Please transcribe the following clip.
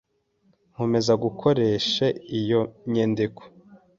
nkomeze gukoreshe iyo nyendiko